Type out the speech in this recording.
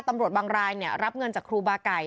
ตำรวจบางรายรับเงินจากครูบาไก่